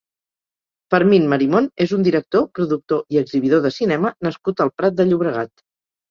Fermín Marimón és un director, productor i exhibidor de cinema nascut al Prat de Llobregat.